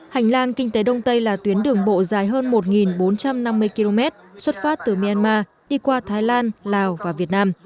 hành lang kinh tế đông tây là tuyến đường bộ dài hơn một bốn trăm năm mươi km xuất phát từ myanmar đi qua thái lan lào và việt nam